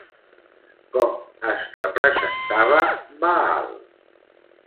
Com es representava Baal?